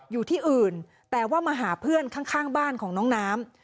อยู่ที่อื่นแต่ว่ามาหาเพื่อนข้างบ้านของน้องน้ำ